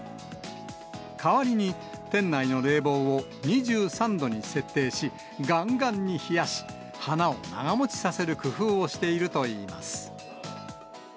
代わりに店内の冷房を２３度に設定し、がんがんに冷やし、花を長もちさせる工夫をしているといいます。